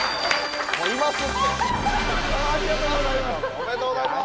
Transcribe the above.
ありがとうございます！